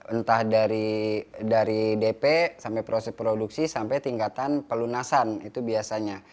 entah dari dp sampai proses produksi sampai tingkatan pelunasan itu biasanya